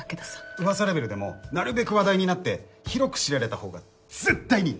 うわさレベルでもなるべく話題になって広く知られたほうが絶対にいい。